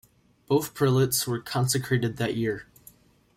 Both prelates were consecrated that year.